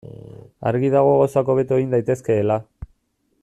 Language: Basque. Argi dago gauzak hobeto egin daitezkeela.